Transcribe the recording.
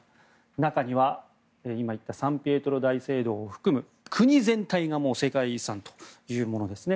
中には今、言ったサン・ピエトロ大聖堂を含む国全体が世界遺産というものですね。